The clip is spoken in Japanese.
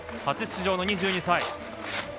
初出場の２２歳。